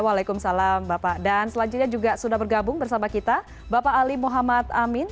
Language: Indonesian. waalaikumsalam bapak dan selanjutnya juga sudah bergabung bersama kita bapak ali muhammad amin